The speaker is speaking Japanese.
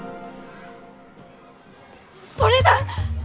それだ！